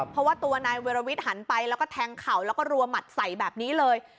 เพราะว่าตัวนายเวรวิทย์หันไปแล้วก็แทงเข่าแล้วก็รัวหมัดใส่แบบนี้เลย